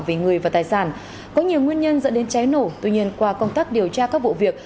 về người và tài sản có nhiều nguyên nhân dẫn đến cháy nổ tuy nhiên qua công tác điều tra các vụ việc